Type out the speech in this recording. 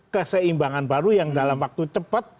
keseimbangan baru yang dalam waktu cepat